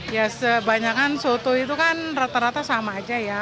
ya sebanyakan soto itu kan rata rata sama aja ya